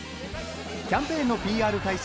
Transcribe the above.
キャンペーンのＰＲ大使